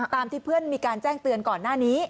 ที่เพื่อนมีการแจ้งเตือนก่อนหน้านี้